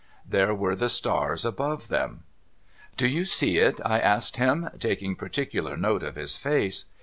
There were the stars above them. ' Do you see it ?' I asked him, taking particular note of his face.